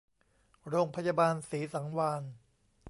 โรงพยาบาลศรีสังวาลย์